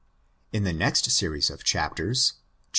In the next series of chapters (xil.